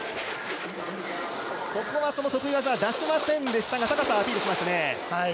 ここは得意技は出しませんでしたが高さはアピールしましたね。